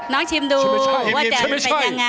ชิมดูว่าจะเป็นยังไง